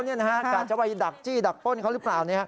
กะจะไปดักจี้ดักป้นเขาหรือเปล่า